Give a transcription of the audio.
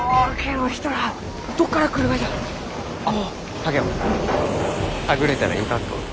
竹雄はぐれたらいかんぞ。